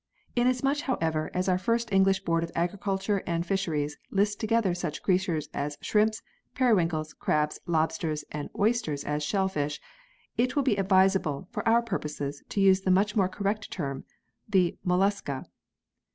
Inasmuch, however, as our English Board of Agriculture and Fisheries lists together such creatures as shrimps, periwinkles, crabs, lobsters and oysters as shellfish, it will be advisable, for our purpose, to use the much more correct term, Mollusca.